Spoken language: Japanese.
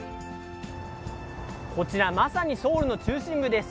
こちら、まさにソウルの中心部です。